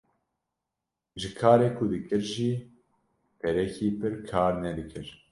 Ji karê ku dikir jî perekî pir kar nedikir